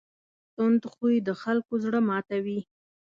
تند خوی د خلکو زړه ماتوي.